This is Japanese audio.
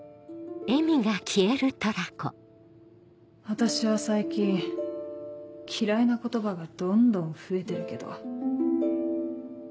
私は最近嫌いな言葉がどんどん増えてるけど。